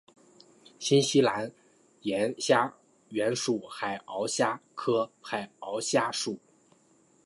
新西兰岩虾原属海螯虾科海螯虾属。